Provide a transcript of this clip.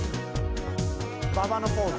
馬場のポーズ。